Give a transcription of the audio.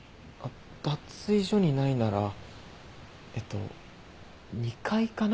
脱衣所にないならえっと２階かな？